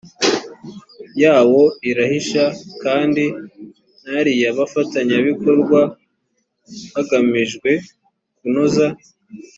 yawo irahisha kandi nariy abafatanyabikorwa hagamijwe kunoza